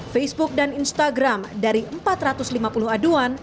facebook dan instagram dari empat ratus lima puluh aduan